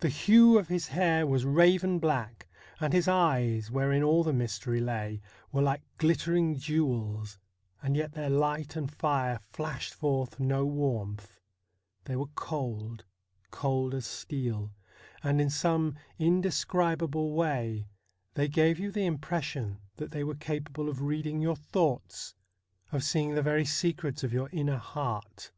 The hue of his hair was raven black, and his eyes, wherein all the mystery lay, were like glittering jewels, and yet their light and fire flashed forth no warmth ; they were cold — cold as steel, and in some indescribable way they gave you the impression that they were capable of reading your thoughts, of seeing the very secrets of your inner heart.